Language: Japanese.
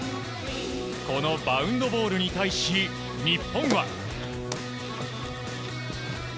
このバウンドボールに対し日本は。